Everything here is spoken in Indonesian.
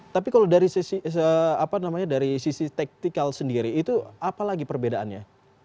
tapi kalau dari sisi apa namanya dari sisi tactical sendiri itu apalagi perbedaannya